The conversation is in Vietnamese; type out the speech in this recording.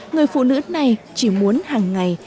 người phụ nữ này chỉ muốn hàng ngày